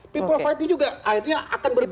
people fight ini juga akhirnya akan berbentuk